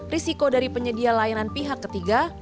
risiko dari penyedia layanan pihak ketiga